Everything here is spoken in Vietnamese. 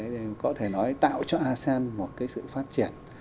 thì có thể nói tạo cho asean một cái sự phát triển